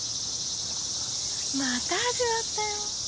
また始まったよ。